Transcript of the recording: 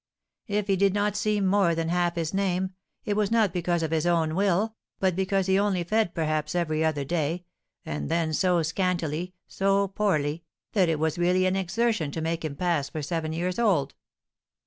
If he did not seem more than half his name, it was not because of his own will, but because he only fed perhaps every other day, and then so scantily, so poorly, that it was really an exertion to make him pass for seven years old."